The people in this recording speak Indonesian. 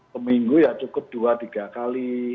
seminggu ya cukup dua tiga kali